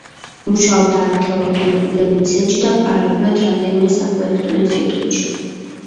მუშაობდა არქეოლოგიურ კვლევით ცენტრში და პარალელურად რამდენიმე საპროექტო ინსტიტუტში.